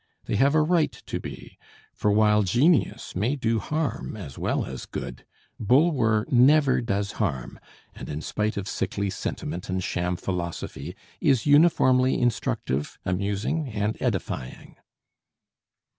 They have a right to be; for while genius may do harm as well as good, Bulwer never does harm, and in spite of sickly sentiment and sham philosophy, is uniformly instructive, amusing, and edifying.